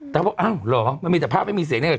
แต่ว่าอ้าวเหรอมันมีแต่ภาพไม่มีเสียง